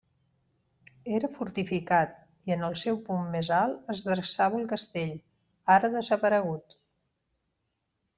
Era fortificat, i en el seu punt més alt es dreçava el castell, ara desaparegut.